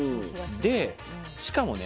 でしかもね